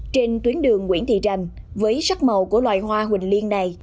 trên tuyến đường nguyễn thị trành với sắc màu của loài hoa huỳnh liên này